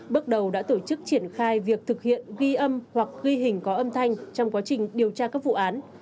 bước đầu đã tổ chức triển khai việc thực hiện ghi âm hoặc ghi hình có âm thanh trong quá trình điều tra các vụ án